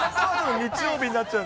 日曜日になっちゃう。